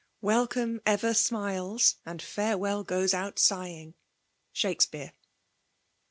Welcome ever imilee, And farewell goes out sighing I Srakspbahs.